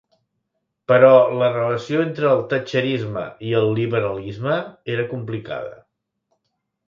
Però la relació entre el thatcherisme i el liberalisme era complicada.